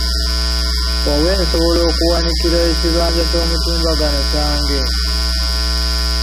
Wa we nsobola okuwanikira ekibanja ky'omutimbagano kyange?